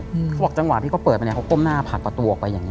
เขาก็บอกจังหวะที่เขาเปิดไปเนี่ยเขาก้มหน้าผ่าตัวออกไปอย่างนี้